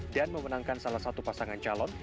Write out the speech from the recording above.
dan memenangkan salah satu pasangan calon